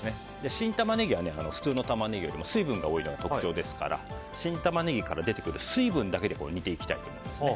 新タマネギは普通のタマネギよりも水分が多いのが特徴ですから新タマネギから出てくる水分だけで煮ていきたいと思います。